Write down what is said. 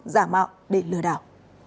giả mạo để lừa đảo